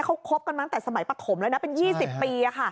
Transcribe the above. เขาคบกันมาตั้งแต่สมัยปฐมแล้วนะเป็น๒๐ปี